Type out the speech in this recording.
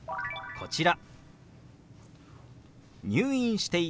こちら。